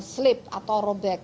slip atau robek